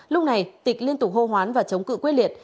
lúc này tịch liên tục hô hoán và chống cự quyết liệt